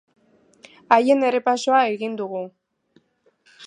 Haien errepasoa egin dugu.